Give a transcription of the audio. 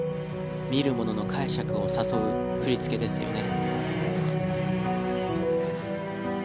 見る者の解釈を誘う振り付けですよね。